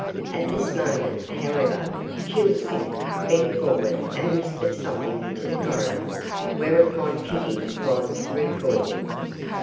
At this moment, however, Kilsip bent forward and whispered something to the Coroner, whereupon Kitty was recalled.